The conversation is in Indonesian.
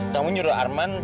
kamu nyuruh arman